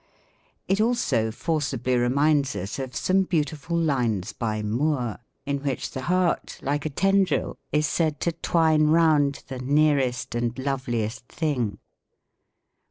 i ,' It also forcibly reminds us of some beautiful lines by \i I SYNTAX. 83 Moore, in which the lieart, like a tendril, is said to twine round the " nearest and loveliest thing."